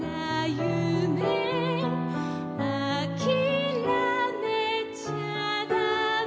「あきらめちゃだめ」